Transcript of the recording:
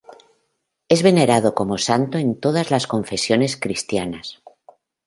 Es venerado como santo en todas las confesiones cristianas.